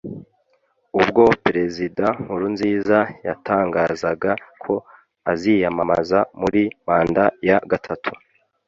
ubwo Perezida Nkurunziza yatangazaga ko aziyamamaza muri manda ya gatatu